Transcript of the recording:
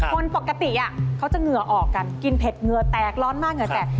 คนปกติเขาจะเหงื่อออกกันกินเผ็ดเหงื่อแตกร้อนมากเหงื่อแตก